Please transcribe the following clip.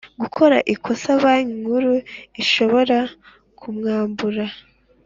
gukora ikosa Banki Nkuru ishobora kumwambura